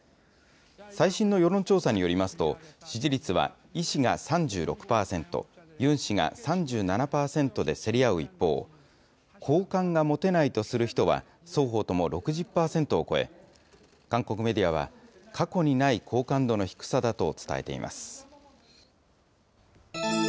最新の世論調査によりますと、支持率はイ氏が３６％、ユン氏が３７％で競り合う一方、好感が持てないとする人は双方とも６０％を超え、韓国メディアは、過去にない好感度の低さだと伝えています。